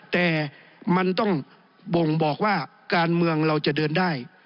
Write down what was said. แต่มันต้องบ่งบอกว่าการเมืองเราจะเดินได้